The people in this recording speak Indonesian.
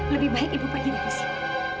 lebih baik ibu pergi dari sini